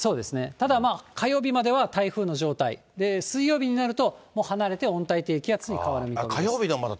ただ、火曜日までは台風の状態、水曜日になると、もう離れて温帯低気圧に変わる予想です。